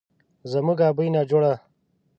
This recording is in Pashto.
زموږ ابۍ ناجوړه،